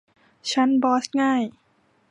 ขั้นบอสง่าย